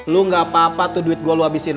lu gak apa apa tuh duit gue lu abisin